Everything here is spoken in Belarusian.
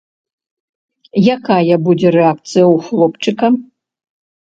Якая будзе рэакцыя ў хлопчыка?